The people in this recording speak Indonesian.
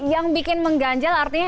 yang bikin mengganjal artinya